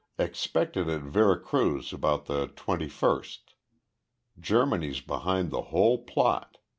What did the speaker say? Expected at Vera Cruz about the twenty first. Germany's behind the whole plot.